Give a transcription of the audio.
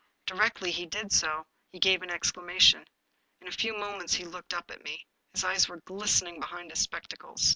Directly he did so, he gave an exclamation. In a few moments he looked up at me. His eyes were glistening behind his spec tacles.